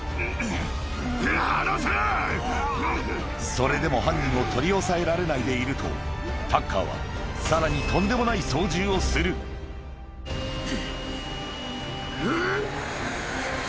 それでも犯人を取り押さえられないでいるとタッカーはさらにをするうぅふん！